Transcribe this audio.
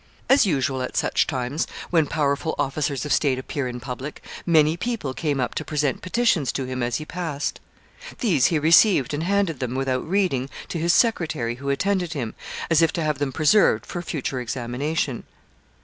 As usual at such times, when powerful officers of state appear in public, many people came up to present petitions to him as he passed. These he received, and handed them, without reading, to his secretary who attended him, as if to have them preserved for future examination.